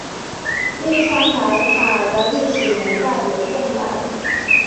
栗川白塔的历史年代为宋代。